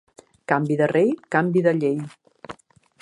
Canvi de rei, canvi de llei.